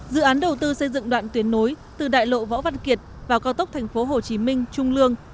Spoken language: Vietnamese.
dự án đầu tư xây dựng đoạn tuyến nối từ đại lộ võ văn kiệt vào cao tốc tp hcm trung lương